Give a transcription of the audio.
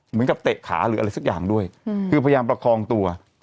เตะขาหรืออะไรสักอย่างด้วยคือพยายามประคองตัว